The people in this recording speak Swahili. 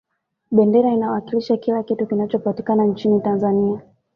bendera inawakilisha kila kitu kinachopatikana nchini tanzania